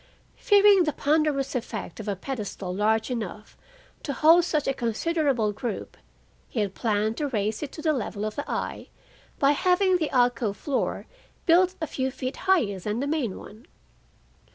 Fearing the ponderous effect of a pedestal large enough to hold such a considerable group, he had planned to raise it to the level of the eye by having the alcove floor built a few feet higher than the main one.